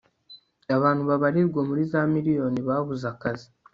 abantu babarirwa muri za miriyoni babuze akazi